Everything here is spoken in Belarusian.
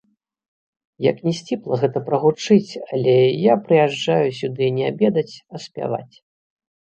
Як ні сціпла гэта прагучыць, але я прыязджаю сюды не абедаць, а спяваць.